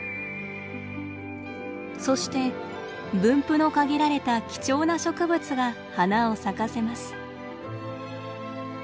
そして分布の限られた貴重な植物が花を咲かせます。